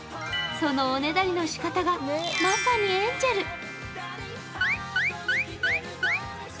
そのおねだりの仕方がまさにエンジェル。